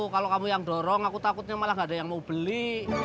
kalau kamu yang dorong aku takutnya malah gak ada yang mau beli